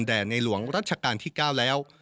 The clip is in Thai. ในหลวงรัชกาลที่๙แล้ว